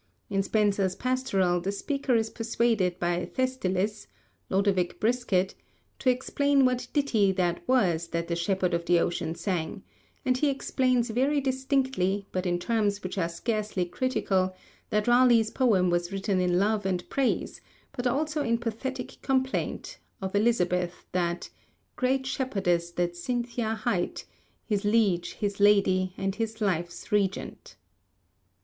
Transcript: In Spenser's pastoral, the speaker is persuaded by Thestylis (Lodovick Bryskett) to explain what ditty that was that the Shepherd of the Ocean sang, and he explains very distinctly, but in terms which are scarcely critical, that Raleigh's poem was written in love and praise, but also in pathetic complaint, of Elizabeth, that great Shepherdess, that Cynthia hight, His Liege, his Lady, and his life's Regent.